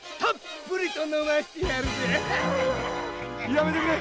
やめてくれ！